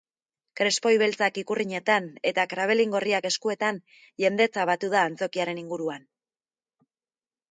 Krespoi beltzak ikurrinetan eta krabelin gorriak eskuetan, jendetza batu da antzokiaren inguruan.